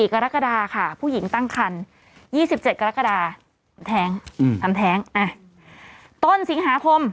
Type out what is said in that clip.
กรกฎาค่ะผู้หญิงตั้งคัน๒๗กรกฎาทำแท้งทำแท้งต้นสิงหาคม